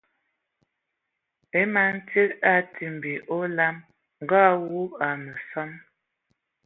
E man tsid a atimbi a olam nga awū a nsom.